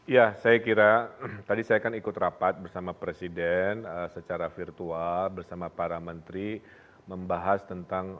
ya saya kira tadi saya kan ikut rapat bersama presiden secara virtual bersama para menteri membahas tentang